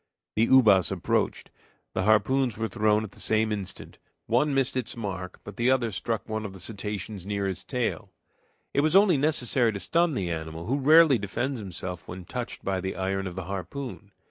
The ubas approached, the harpoons were thrown at the same instant; one missed its mark, but the other struck one of the cetaceans near his tail. It was only necessary to stun the animal, who rarely defends himself when touched by the iron of the harpoon.